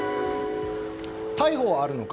逮捕はあるのか？